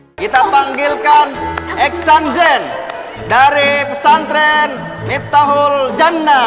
hai kita panggilkan exanzen dari pesantren nipta hul jannah